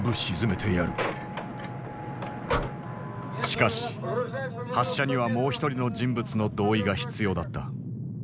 しかし発射にはもう一人の人物の同意が必要だった。